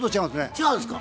違うんですか？